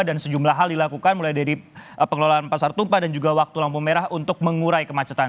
dan sejumlah hal dilakukan mulai dari pengelolaan pasar tumpah dan juga waktu lampu merah untuk mengurai kemacetan